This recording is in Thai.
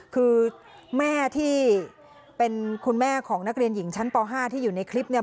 คือแม่ที่เป็นคุณแม่ของนักเรียนหญิงชั้นป๕ที่อยู่ในคลิปเนี่ย